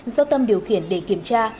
do tâm điều khiển để kiểm tra